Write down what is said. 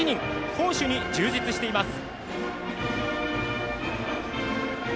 攻守に充実しています。